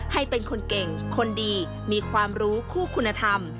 ให้เป็นคนเก่งคนดีมีความรู้คู่คุณธรรม